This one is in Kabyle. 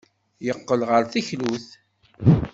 Yeqqel ɣer teklut.